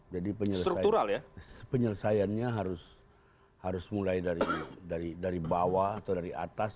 jadi penyelesaiannya harus mulai dari bawah atau dari atas